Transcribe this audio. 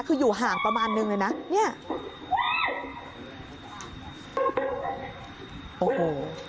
คืออยู่ห่างประมาณนึงเลยนะเนี่ยโอ้โห